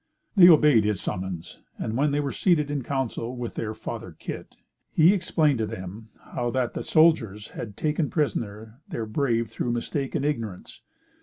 They obeyed his summons, and when they were seated in Council with their "Father Kit," he explained to them how that the soldiers had taken prisoner their brave through mistake and ignorance.